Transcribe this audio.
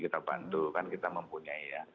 kita bantu kan kita mempunyai ya